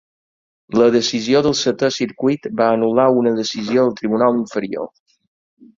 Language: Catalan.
La decisió del Setè Circuit va anul·lar una decisió del tribunal inferior.